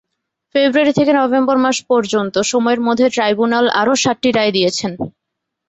ফেব্রুয়ারি থেকে নভেম্বর মাস পর্যন্ত সময়ের মধ্যে ট্রাইব্যুনাল আরও সাতটি রায় দিয়েছেন।